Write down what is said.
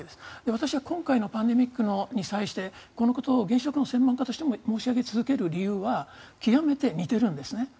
私は今回のパンデミックに際してこのことを原子力の専門家としても申し上げ続ける理由は極めて似ているんですね。